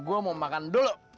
kalau gua mau makan dulu